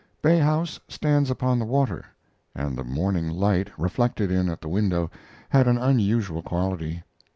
Bay House stands upon the water, and the morning light, reflected in at the window, had an unusual quality.